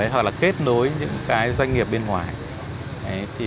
hoặc là kết nối những cái doanh nghiệp bên ngoài